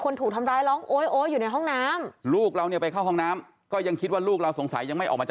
ลูกแม่คงจะเป็นยังไงไม่รู้ตอนเนี้ย